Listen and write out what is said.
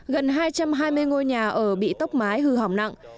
gần hai trăm hai mươi ngôi nhà ở bị tốc mái hư hỏng nặng